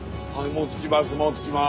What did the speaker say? もう着きます。